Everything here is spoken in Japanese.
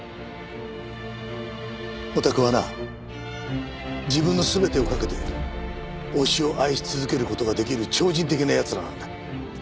オタクはな自分の全てを懸けて推しを愛し続ける事ができる超人的な奴らなんだ。